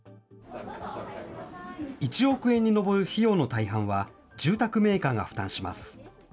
１億円に上る費用の大半は、住宅メーカーが負担します。